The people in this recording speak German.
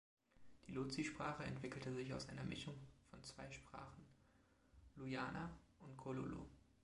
Die Lozi-Sprache entwickelte sich aus einer Mischung von zwei Sprachen: Luyana und Kololo.